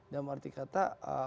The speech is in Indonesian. dan berarti kata